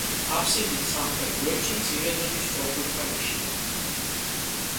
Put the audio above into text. აფსიდის სამხრეთ გვერდში მცირე ზომის სწორკუთხა ნიშია.